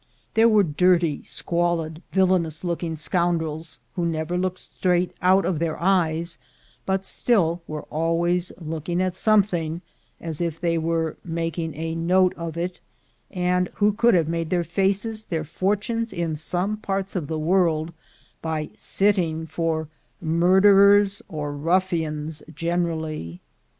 l VXhere were dirty, squalid, villainous looking scoundrels, who never looked straight out of their eyes, but still were always looking at something, as if they were "making a note of it," and who could have made their faces their fortunes in some parts of the world, by "sitting" for murderers, or ruffians generally.